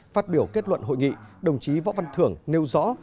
phát biểu kết luận hội nghị đồng chí võ văn thưởng nêu rõ